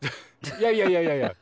いやいやいやいや。